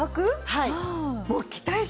はい。